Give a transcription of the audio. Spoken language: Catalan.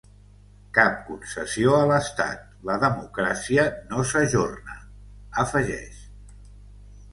Cap concessió a l’estat, la democràcia no s’ajorna, afegeix.